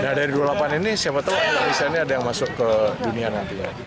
dan dari dua puluh delapan ini siapa tahu indonesia ini ada yang masuk ke dunia